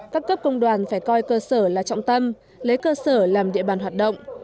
các cấp công đoàn phải coi cơ sở là trọng tâm lấy cơ sở làm địa bàn hoạt động